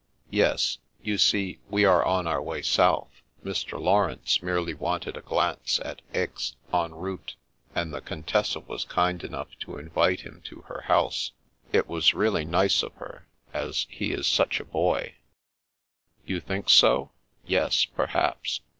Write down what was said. "" Yes. You see, we are on our way south. Mr. Laurence merely wanted a glance at Aix en route, and the Contessa was kind enough to invite him to her house. It was really nice of her, as he is such a boy." "You think so? Yes — ^perhaps.